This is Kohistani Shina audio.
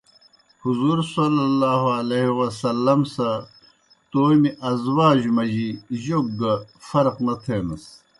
حضورﷺ سہ تومیْ ازواجو مجی جوک گہ فرق نہ تھینَس۔